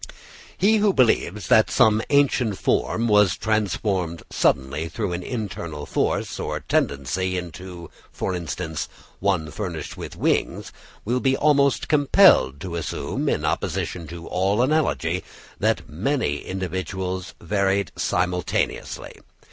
He who believes that some ancient form was transformed suddenly through an internal force or tendency into, for instance, one furnished with wings, will be almost compelled to assume, in opposition to all analogy, that many individuals varied simultaneously.